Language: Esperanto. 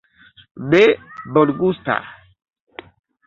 Ne bongusta...